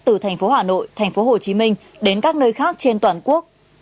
từ thành phố hà nội thành phố hồ chí minh đến các nơi khác trên toàn quốc